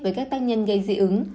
với các tác nhân gây dị ứng